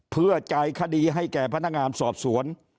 เพื่อจ่ายคดีให้แก่พนักงานสอบสวน